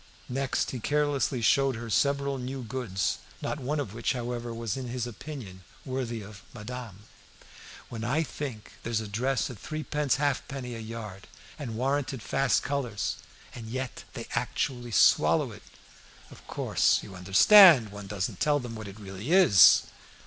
Next he carelessly showed her several new goods, not one of which, however, was in his opinion worthy of madame. "When I think that there's a dress at threepence halfpenny a yard, and warranted fast colours! And yet they actually swallow it! Of course you understand one doesn't tell them what it really is!"